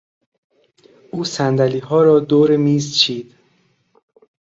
او صندلیها را دور میز چید.